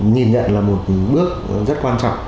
nhìn nhận là một bước rất quan trọng